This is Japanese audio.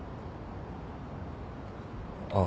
ああ。